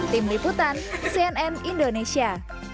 tim liputan cnn indonesia